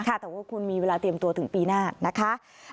แต่ว่าคุณมีเวลาเตรียมตัวถึงปีหน้านะคะ